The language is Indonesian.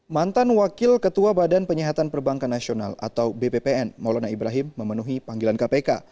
mantan wakil ketua badan penyihatan perbankan nasional atau bppn maulana ibrahim memenuhi panggilan kpk